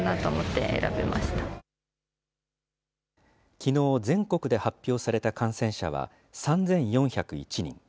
きのう全国で発表された感染者は、３４０１人。